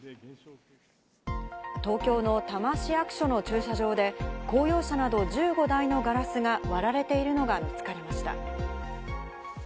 東京の多摩市役所の駐車場で公用車など１５台のガラスが割られているのが見つかりました。